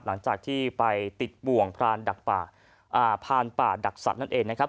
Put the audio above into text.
หลังจากที่ไปติดบ่วงพรานดักป่าอ่าพรานป่าดักสัตว์นั่นเองนะครับ